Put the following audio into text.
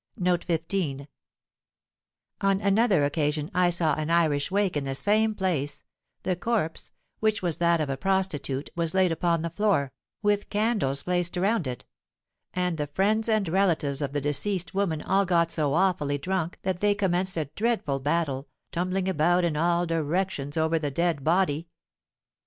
On another occasion I saw an Irish wake in the same place: the corpse, which was that of a prostitute, was laid upon the floor, with candles placed round it: and the friends and relatives of the deceased woman all got so awfully drunk that they commenced a dreadful battle, tumbling about in all directions over the dead body!